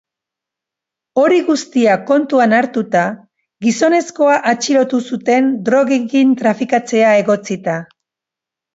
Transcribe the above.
Hori guztia kontuan hartuta, gizonezkoa atxilotu zuten drogekin trafikatzea egotzita.